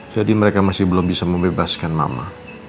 jadi mereka masih belum bisa membebaskan mama